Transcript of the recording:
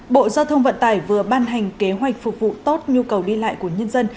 bộ giao thông vận tải vừa ban hành kế hoạch phục vụ tốt nhu cầu đi lại của nhân dân